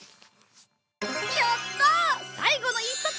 やった！